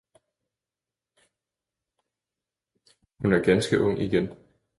hun er ganske ung igen.